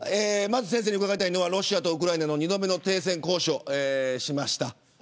まず、先生に伺いたいのはロシアとウクライナ２度目の停戦交渉しました。